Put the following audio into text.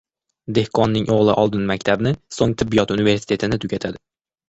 Dehqonning oʻgʻli oldin maktabni, soʻng tibbiyot universistetini tugatadi.